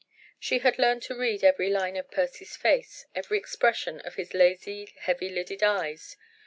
She had learned to read every line on Percy's face, every expression of his lazy, heavy lidded eyes.